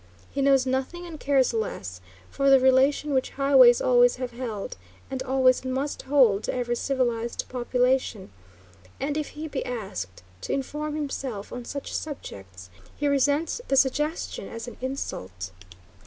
He knows nothing and cares less, for the relation which highways always have held, and always must hold, to every civilized population, and if he be asked to inform himself on such subjects he resents the suggestion as an insult.